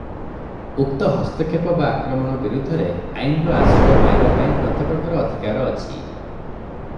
ଉକ୍ତ ହସ୍ତକ୍ଷେପ ବା ଆକ୍ରମଣ ବିରୁଦ୍ଧରେ ଆଇନର ଆଶ୍ରୟ ପାଇବା ପାଇଁ ପ୍ରତ୍ୟେକଙ୍କର ଅଧିକାର ଅଛି ।